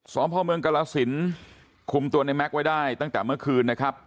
สองพ่อเมืองกละสินคุมตัวในแม๊ฟไว้ได้ตั้งแต่เมื่อคืน